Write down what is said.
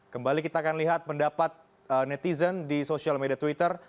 kembali kita akan lihat pendapat netizen di sosial media twitter